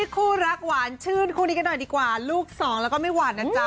คู่รักหวานชื่นคู่นี้กันหน่อยดีกว่าลูกสองแล้วก็ไม่หวานนะจ๊ะ